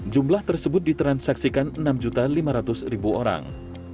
jumlah tersebut ditransaksikan enam lima ratus orang